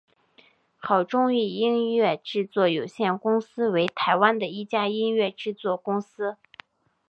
好钟意音乐制作有限公司为台湾的一家音乐制作公司。